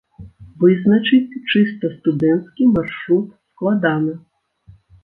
Вызначыць чыста студэнцкі маршрут складана.